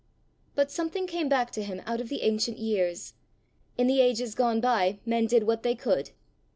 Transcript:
But something came back to him out of the ancient years: in the ages gone by men did what they could!